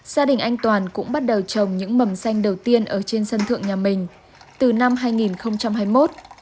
gia đình anh toàn cũng bắt đầu trồng những mầm xanh đầu tiên ở trên sân thượng nhà mình từ năm hai nghìn hai mươi một